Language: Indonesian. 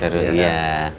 debbie pamit dulu ya